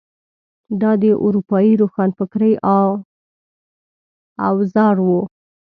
دا د اروپايي روښانفکرۍ اوزار وو.